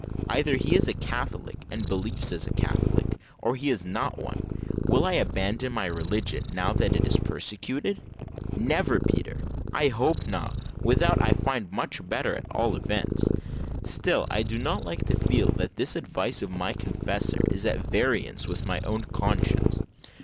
either he is a Catholic, and believes as a Catholic, or he is not one. Will I abandon my religion, now that it is persecuted? Never, Peter; I hope not, without I find a much better, at all events. Still, I do not like to feel that this advice of my confessor is at variance with my own conscience.